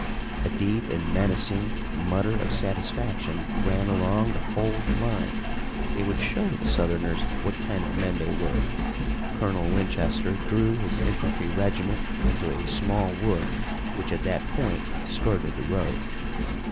A deep and menacing mutter of satisfaction ran along the whole line. They would show the Southerners what kind of men they were. Colonel Winchester drew his infantry regiment into a small wood which at that point skirted the road.